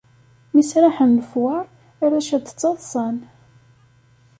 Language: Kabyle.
Mi sraḥen lefwaṛ, arrac ad ttaḍsan.